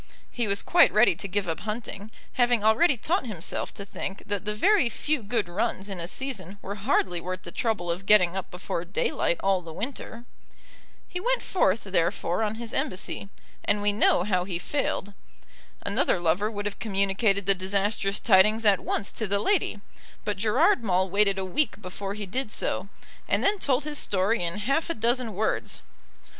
He was quite ready to give up hunting, having already taught himself to think that the very few good runs in a season were hardly worth the trouble of getting up before daylight all the winter. He went forth, therefore, on his embassy, and we know how he failed. Another lover would have communicated the disastrous tidings at once to the lady; but Gerard Maule waited a week before he did so, and then told his story in half a dozen words.